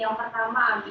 yang ketiga okail